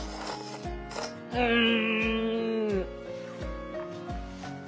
うん！